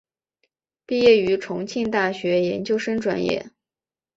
毕业于重庆大学研究生专业。